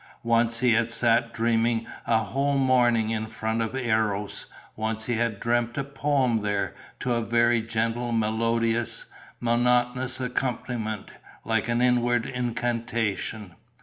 Once he had sat dreaming a whole morning in front of the Eros; once he had dreamt a poem there, to a very gentle, melodious, monotonous accompaniment, like an inward incantation.